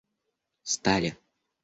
стали